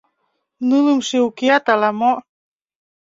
Нылымше укеат ала-мо.